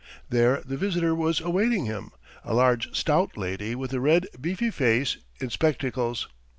There the visitor was awaiting him a large stout lady with a red, beefy face, in spectacles.